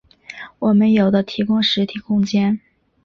它们有的提供实体空间。